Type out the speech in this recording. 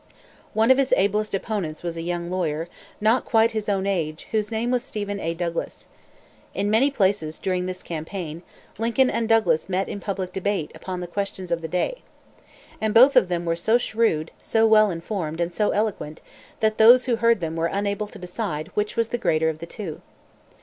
One of his ablest opponents was a young lawyer, not quite his own age, whose name was Stephen A. Douglas. In many places, during this campaign, Lincoln and Douglas met in public debate upon the questions of the day. And both of them were so shrewd, so well informed, and so eloquent, that those who heard them were unable to decide which was the greater of the two.